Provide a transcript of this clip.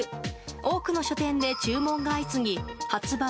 多くの書店で注文が相次ぎ発売